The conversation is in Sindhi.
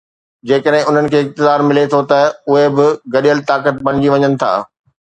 جيڪڏهن انهن کي اقتدار ملي ٿو ته اهي به گڏيل طاقت بڻجي وڃن ٿا.